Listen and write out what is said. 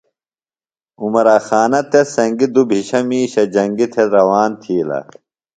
عمراخانہ تس سنگیۡ دُبھشہ مِیشہ جنگی تھےۡ روان تِھیلہ